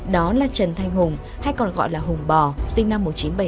đó là trần thanh hùng hay còn gọi là hùng bò sinh năm một nghìn chín trăm bảy mươi